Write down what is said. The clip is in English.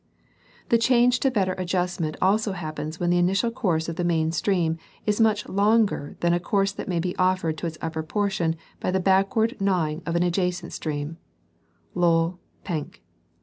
The change to better adjustment also happens when the initial course of the main stream is much longer than a course that may be offered to its upper portion by the backward gnaw ing of an adjacent stream (Lowl, Penck).